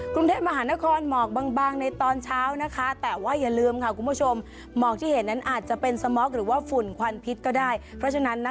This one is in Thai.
กรุงเทพมหานครหมอกบางในตอนเช้านะคะแต่ว่าอย่าลืมค่ะคุณผู้ชมหมอกที่เห็นนั้นอาจจะเป็นสม็อกหรือว่าฝุ่นควันพิษก็ได้เพราะฉะนั้นนะคะ